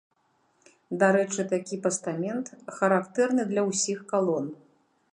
Дарэчы, такі пастамент характэрны для ўсіх калон.